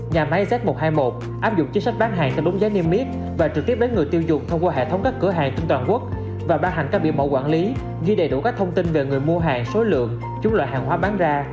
nhà máy z một trăm hai mươi một áp dụng chiếc sách bán hàng theo đúng giá niêm mít và trực tiếp đến người tiêu dụng thông qua hệ thống các cửa hàng trên toàn quốc và bán hàng các biện mẫu quản lý ghi đầy đủ các thông tin về người mua hàng số lượng chung loại hàng hoa bán ra